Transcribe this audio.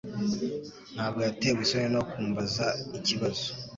Ntabwo yatewe isoni no kumbaza ikibazo.